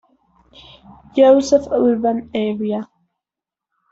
Joseph urban area.